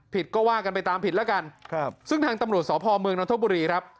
ผิดก็ว่ากันไปตามผิดละกันซึ่งทางตำรวจสภเมืองนทบุรีรับ